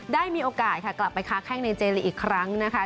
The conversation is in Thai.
ได้มีโอกาสกลับไปค้าแท่งในเจรีอีกครั้งนะครับ